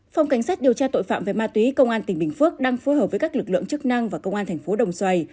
phòng cảnh sát điều tra tội phạm về ma túy công an tỉnh bình phước đang phối hợp với các lực lượng chức năng và công an thành phố đồng xoài